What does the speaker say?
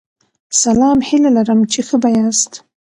سلام هیله لرم چی ښه به یاست